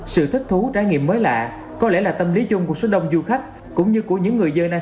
sự thích thú trải nghiệm mới lạ có lẽ là tâm lý chung của số đông du khách cũng như của những người dân nơi đây